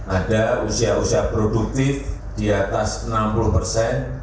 ada usia usia produktif di atas enam puluh persen